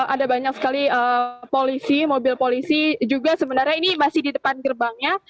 ada banyak sekali polisi mobil polisi juga sebenarnya ini masih di depan gerbangnya